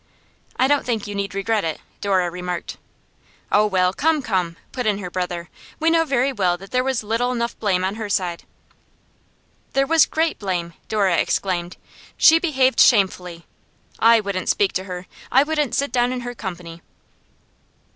'I don't think you need regret it,' Dora remarked. 'Oh, well, come, come!' put in her brother. 'We know very well that there was little enough blame on her side.' 'There was great blame!' Dora exclaimed. 'She behaved shamefully! I wouldn't speak to her; I wouldn't sit down in her company!